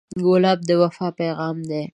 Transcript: ګلاب د وفا پیغام دی.